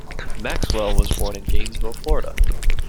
Maxwell was born in Gainesville, Florida.